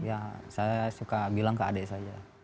ya saya suka bilang ke adik saya